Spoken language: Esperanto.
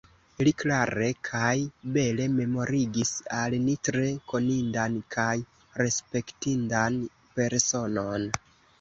Li klare kaj bele memorigis al ni tre konindan kaj respektindan personon.